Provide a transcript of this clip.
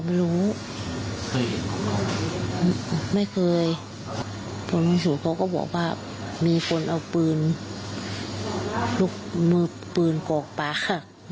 บางสูตรเขาก็บอกว่ามีคนเอาปืนลูกมือปืนกรอกปาก